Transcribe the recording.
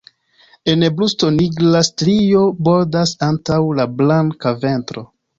En brusto nigra strio bordas antaŭ la blanka ventro.